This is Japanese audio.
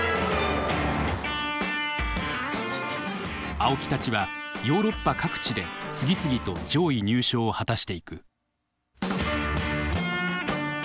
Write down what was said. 青木たちはヨーロッパ各地で次々と上位入賞を果たしていく。